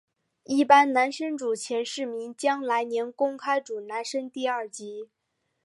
一般男生组前四名将来年公开组男生第二级。